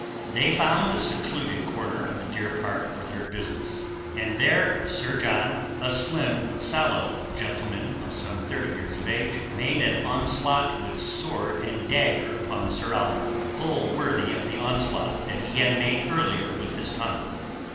They found a secluded corner of the deer park for their business, and there Sir John—a slim, sallow gentleman of some thirty years of age—made an onslaught with sword and dagger upon Sir Oliver, full worthy of the onslaught he had made earlier with his tongue.